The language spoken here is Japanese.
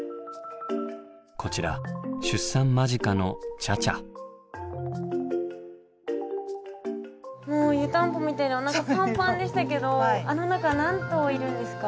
こちら出産間近のもう湯たんぽみたいでおなかがパンパンでしたけどあの中何頭いるんですか？